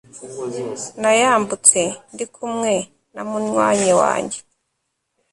nayambutse ndi kumwe na munywanyi wanjye